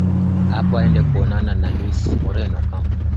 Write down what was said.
apo aenda kuonana na louis moreno ocampo